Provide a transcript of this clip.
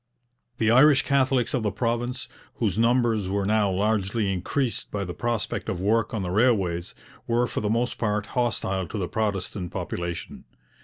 The Irish Catholics of the province, whose numbers were now largely increased by the prospect of work on the railways, were for the most part hostile to the Protestant population.